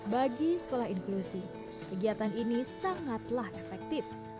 bagi sekolah inklusi kegiatan ini sangatlah efektif